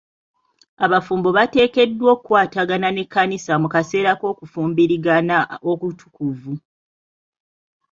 Abafumbo bateekeddwa okwatagana n'ekkanisa mu kaseera k'okufumbirigana okutukuvu.